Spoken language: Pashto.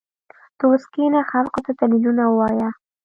ته اوس کښېنه خلقو ته دليلونه ووايه.